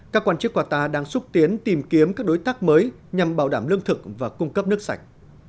các quan chức qatar đang xúc tiến tìm kiếm các đối tác mới nhằm bảo đảm lương thực và cung cấp nước sạch